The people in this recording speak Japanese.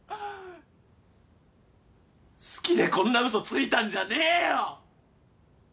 好きでこんな嘘ついたんじゃねえよ！